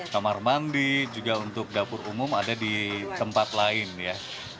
kamar mandi juga untuk dapur umum ada di tempat lain ya